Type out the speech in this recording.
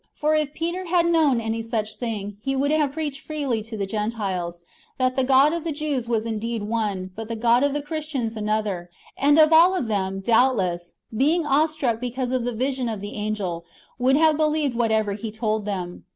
For if Peter had known any such thing, he would have preached freely to the Gentiles, that the God of the Jews was indeed one, but the God of the Christians another ; and all of them, doubt less, being awe struck because of the vision of the angel, would have believed whatever he told them.